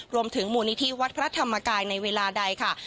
รวมถึงมูลนิธิวัดพระธรรมกายในเวลาใดค่ะ